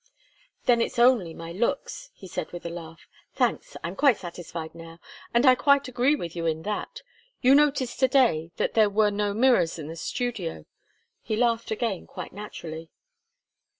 "Then it's only my looks," he said with a laugh. "Thanks! I'm quite satisfied now, and I quite agree with you in that. You noticed to day that there were no mirrors in the studio." He laughed again quite naturally.